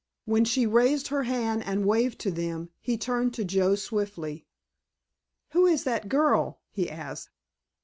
When she raised her hand and waved to them he turned to Joe swiftly. "Who is that girl?" he asked.